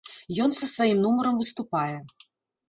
Ён са сваім нумарам выступае.